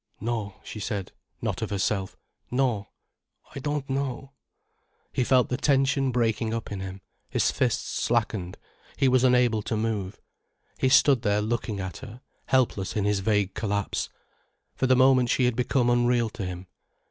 "No," she said, not of herself. "No, I don't know." He felt the tension breaking up in him, his fists slackened, he was unable to move. He stood there looking at her, helpless in his vague collapse. For the moment she had become unreal to him.